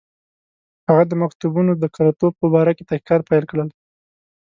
هغه د مکتوبونو د کره توب په باره کې تحقیقات پیل کړل.